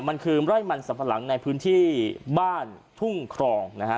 มันคือไร่มันสัมปะหลังในพื้นที่บ้านทุ่งครองนะฮะ